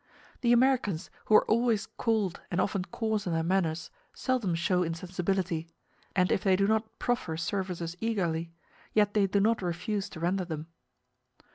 The Americans, who are always cold and often coarse in their manners, seldom show insensibility; and if they do not proffer services eagerly, yet they do not refuse to render them.